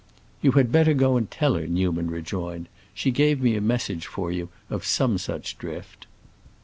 "You had better go and tell her," Newman rejoined. "She gave me a message for you of some such drift."